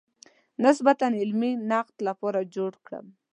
د نسبتاً علمي نقد لپاره جوړ کړم.